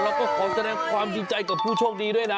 แล้วก็ขอแสดงความสนใจกับผู้โชคดีด้วยนะ